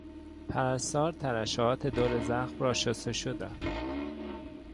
پرستار ترشحات دور زخم را شستشو داد.